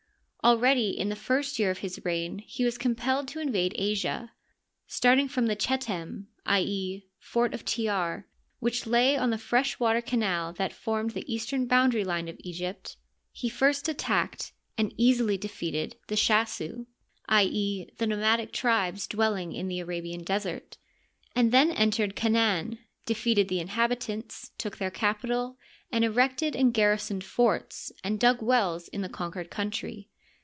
Al ready in the first year of his reign he was compelled to in vade Asia. Starting from the Chetem — i. e., fort of Tjar, which lay on the fresh water canal that formed the east ern boundary line of Egypt— he first attacked and easily Digitized byCjOOQlC THE NINETEENTH DYNASTY. 85 defeated the Shasu — ^i. e., the nomadic tribes dwelling in the Arabian Desert — ^and then entered Canaan, defeated the inhabitants, took their capital, and erected and gar risoned forts and dug wells in the conauered countiy.